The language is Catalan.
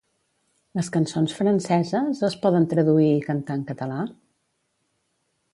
Les cançons franceses es poden traduir i cantar en català?